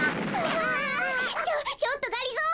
ちょちょっとがりぞー